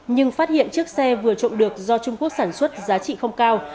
nhưng phát hiện chiếc xe vừa trộm được do trung quốc sản xuất giá trị không cao